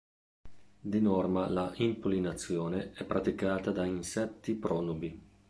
Di norma la impollinazione è praticata da insetti pronubi.